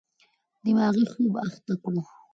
دماغي خوب اخته کړو.